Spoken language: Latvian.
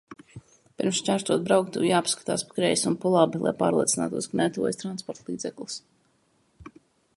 Pirms šķērsot brauktuvi, jāpaskatās pa kreisi un pa labi, lai pārliecinātos, ka netuvojas transportlīdzeklis